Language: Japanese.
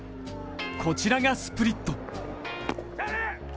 こちらがスプリット。